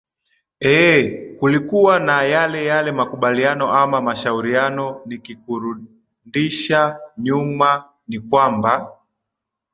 eeh kulikuwa na yale yale makubaliano ama mashauriano nikikurundisha nyuma ni kwamba